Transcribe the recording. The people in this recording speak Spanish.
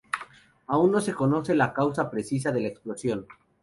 Aún no se conoce la causa precisa de la explosión.